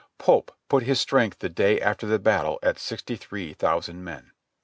Pope put his strength the day after the battle at sixty three thousand men.